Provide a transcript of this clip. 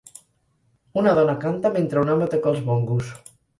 Una dona canta mentre un home toca els bongos.